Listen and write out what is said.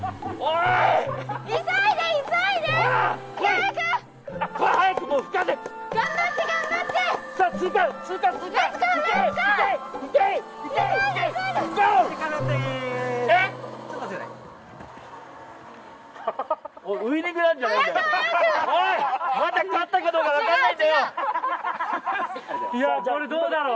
いやこれどうだろう。